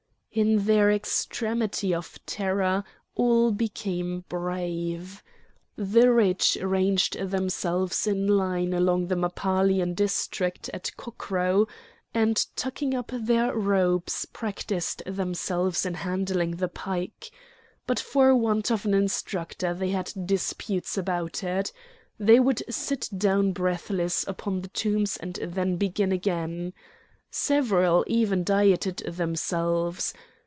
In their extremity of terror all became brave. The rich ranged themselves in line along the Mappalian district at cockcrow, and tucking up their robes practised themselves in handling the pike. But for want of an instructor they had disputes about it. They would sit down breathless upon the tombs and then begin again. Several even dieted themselves.